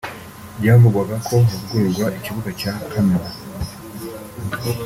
byavugwaga ko havugururwa ikibuga cya Kamena